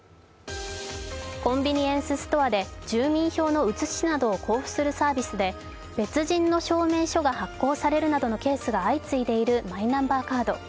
コンビニエンスストアで住民票の写しなどを交付するサービスで別人の証明書が発行されるなどのケースが相次いでいるマイナンバーカード。